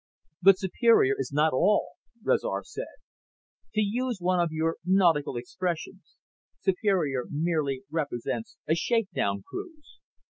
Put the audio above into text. "But Superior is not all," Rezar said. "To use one of your nautical expressions, Superior merely represents a shake down cruise.